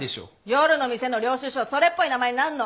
夜の店の領収書はそれっぽい名前になんの。